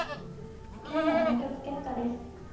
今日の対局結果です。